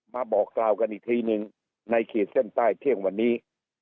มาบอกกล่าวกันอีกทีหนึ่งในขีดเส้นใต้เที่ยงวันนี้